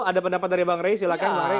ada pendapat dari bang rey silahkan